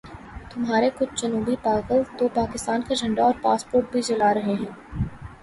تمہارے کچھ جنونی پاگل تو پاکستان کا جھنڈا اور پاسپورٹ بھی جلا رہے ہیں۔